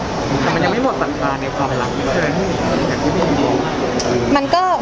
แต่มันยังไม่หมดสัมภาษณ์ในความหลักที่เกิด